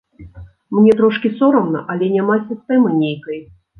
Мне трошкі сорамна, але няма сістэмы нейкай.